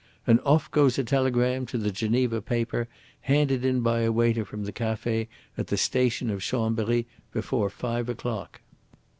And off goes a telegram to the Geneva paper, handed in by a waiter from the cafe at the station of Chambery before five o'clock.